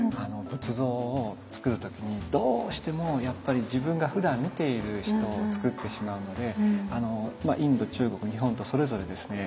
仏像をつくる時にどうしてもやっぱり自分がふだん見ている人をつくってしまうのでインド中国日本とそれぞれですね